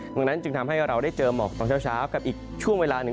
ดังนั้นจึงทำให้เราได้เจอหมอกตอนเช้ากับอีกช่วงเวลาหนึ่ง